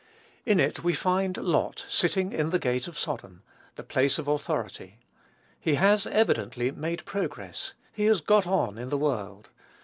In it we find Lot "sitting in the gate of Sodom," the place of authority. He has evidently made progress. He has "got on in the world."